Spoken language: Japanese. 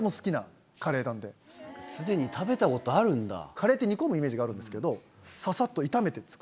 カレーって煮込むイメージがあるんですけどささっと炒めて作る。